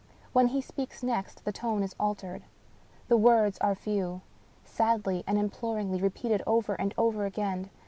When he speaks next, the tone is altered ; the words are few — sadly and imploringly repeated over and over again.